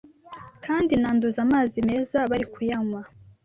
Kandi nanduza amazi meza barikuyanywa